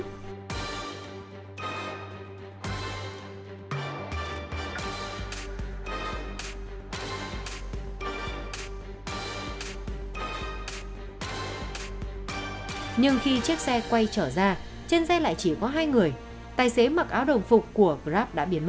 đoạn hình ảnh ghi lại thời điểm chiếc xe exciter do tài xế nguyễn cao sang điều khiển chở theo hai người thanh niên đi vào khu vực đường phú diễn